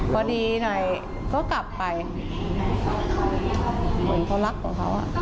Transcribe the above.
พอดีหน่อยก็กลับไปเหมือนเขารักของเขา